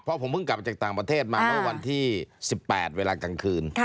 เพราะผมเพิ่งกลับจากต่างประเทศมาเมื่อวันที่๑๘เวลากลางคืน